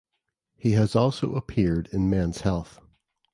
He has also appeared in Men’s Health.